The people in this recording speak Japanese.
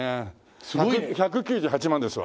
１９８万ですわ。